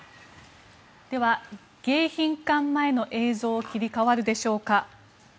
では、迎賓館前の映像切り替わるでしょうか。